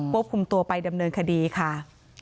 คุมตัวไปดำเนินคดีค่ะ